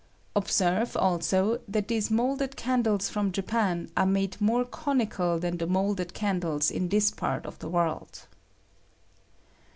Observe, also, that these moulded candles from Japan are made more conical than the moulded candles in this part of the world.